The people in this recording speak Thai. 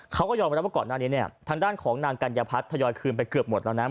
เขาก็ยอมรับว่าก่อนหน้านี้เนี่ยทางด้านของนางกัญญพัฒน์ทยอยคืนไปเกือบหมดแล้วนะ